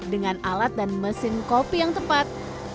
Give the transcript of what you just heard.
dengan alat dan mesin kopi yang tepat